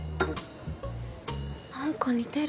何か似てる。